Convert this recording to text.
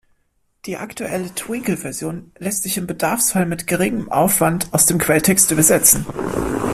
Die aktuelle Twinkle-Version lässt sich im Bedarfsfall mit geringem Aufwand aus dem Quelltext übersetzen.